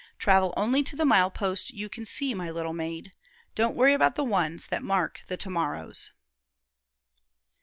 Travel only to the mile post you can see, my little maid. Don't worry about the ones that mark the to morrows."